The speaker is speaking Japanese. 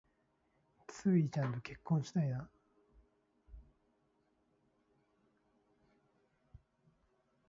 ツウィちゃんと結婚したいな